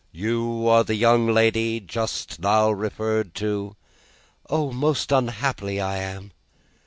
"You are the young lady just now referred to?" "O! most unhappily, I am!"